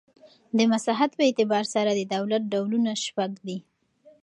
د مساحت په اعتبار سره د دولت ډولونه شپږ دي.